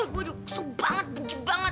waduh sub banget benci banget